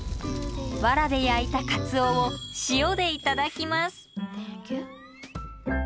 わらで焼いたカツオを塩で頂きます。